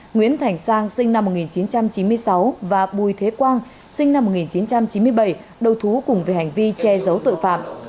nguyễn thành sang sinh năm một nghìn chín trăm chín mươi sáu và bùi thế quang sinh năm một nghìn chín trăm chín mươi bảy đầu thú cùng về hành vi che giấu tội phạm